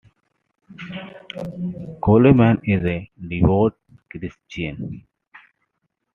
Coleman is a devout Christian.